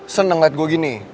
seneng liat gue gini